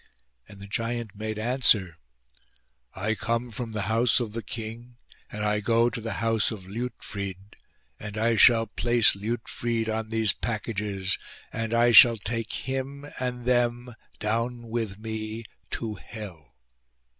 And the giant made answer :" I come from the house of the king and I go to the house of Liutfrid ; and I shall place Liutfrid on these packages and I shall take him and them down with me to hell."